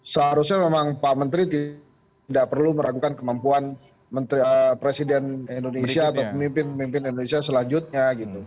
seharusnya memang pak menteri tidak perlu meragukan kemampuan presiden indonesia atau pemimpin pemimpin indonesia selanjutnya